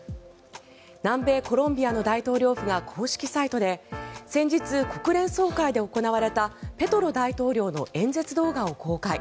南米コロンビアの大統領府が公式サイトで先日、国連総会で行われたペトロ大統領の演説動画を公開。